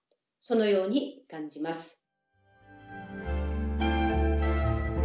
そのように感じます。